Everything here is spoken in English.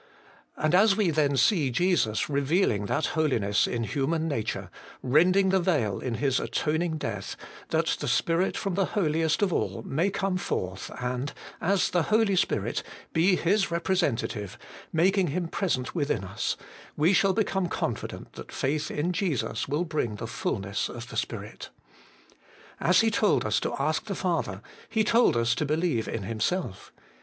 And as we then see Jesus revealing that holiness in human nature, rending the veil in His atoning death, that the Spirit from the Holiest of all may come forth and, as the Holy Spirit, be His representative, making 138 HOLY IN CHKIST. Him present within us, we shall become confident that faith in Jesus will bring the fulness of the Spirit. As He told us to ask the Father, He told us to believe in Himself.